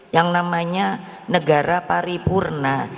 yang namanya negara paripurna